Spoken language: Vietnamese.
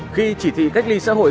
khi chỉ thị cách ly xã hội